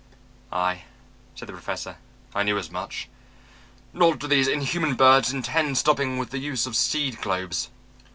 "Aye," said the Professor, "I knew as much. Nor do these inhuman birds intend stopping with the use of seed globes.